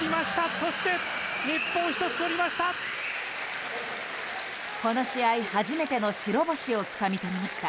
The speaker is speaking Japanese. そして日本１つとりました。